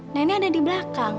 nenek ada di belakang